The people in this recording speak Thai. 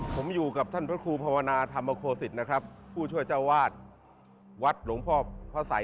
ผมอยู่กับท่านพระครูภาวนาธรรมโคศิษฐ์นะครับผู้ช่วยเจ้าวาดวัดหลวงพ่อพระสัย